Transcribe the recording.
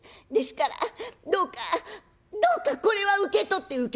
ですからどうかどうかこれは受け取って」。